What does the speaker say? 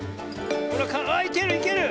ほらあっいけるいける！